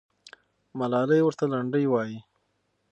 ملالۍ ورته لنډۍ وایي.